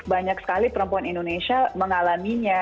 banyak sekali perempuan indonesia mengalaminya